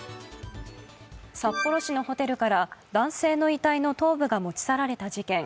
札幌市のホテルから男性の遺体の頭部が持ち去られた事件。